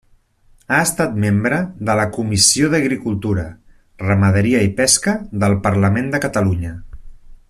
Ha estat membre de la Comissió d'agricultura, ramaderia i pesca del Parlament de Catalunya.